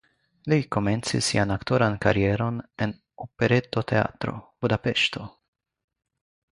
Li komencis sian aktoran karieron en Operetoteatro (Budapeŝto).